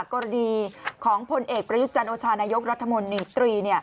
กรณีของพลเอกประยุทธ์จันโอชานายกรัฐมนตรี